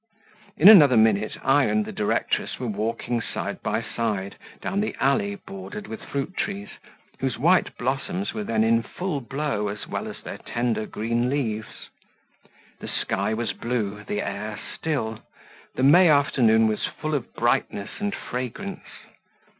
In another minute I and the directress were walking side by side down the alley bordered with fruit trees, whose white blossoms were then in full blow as well as their tender green leaves. The sky was blue, the air still, the May afternoon was full of brightness and fragrance.